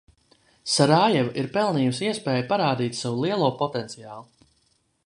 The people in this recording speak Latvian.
Sarajeva ir pelnījusi iespēju parādīt savu lielo potenciālu.